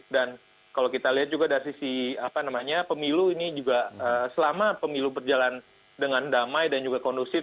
dan kalau kita lihat juga dari sisi pemilu ini juga selama pemilu berjalan dengan damai dan juga kondusif